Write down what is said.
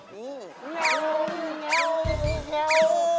แมวแมว